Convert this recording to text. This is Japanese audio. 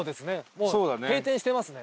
もう閉店してますね。